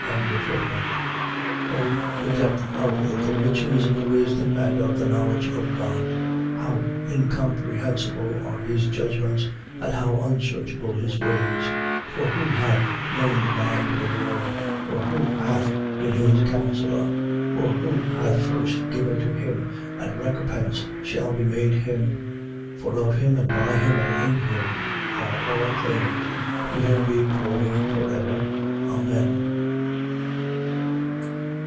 11:33. O the depth of the riches of the wisdom and of the knowledge of God! How incomprehensible are his judgments, and how unsearchable his ways! 11:34. For who hath known the mind of the Lord? Or who hath been his counsellor? 11:35. Or who hath first given to him, and recompense shall be made him? 11:36. For of him, and by him, and in him, are all things: to him be glory for ever. Amen.